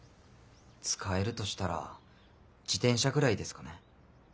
使えるとしたら自転車ぐらいですかね。